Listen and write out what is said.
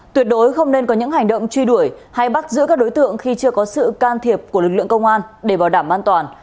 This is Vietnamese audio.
tuyệt đối không nên có những hành động truy đuổi hay bắt giữ các đối tượng khi chưa có sự can thiệp của lực lượng công an để bảo đảm an toàn